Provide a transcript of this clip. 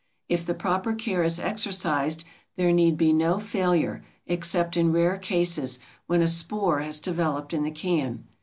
If the proper care is exercised there need be no failure, except in rare cases, when a spore has developed in the can.